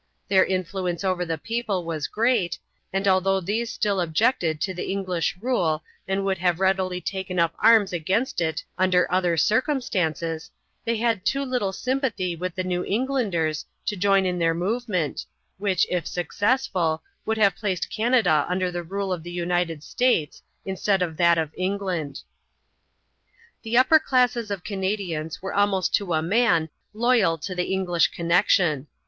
Their influence over the people was great, and although these still objected to the English rule and would have readily taken up arms against it under other circumstances, they had too little sympathy with the New Englanders to join in their movement, which, if successful, would have placed Canada under the rule of the United States instead of that of England. The upper classes of Canadians were almost to a man loyal to the English connection.